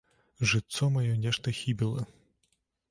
Жытцо маё нешта хібіла.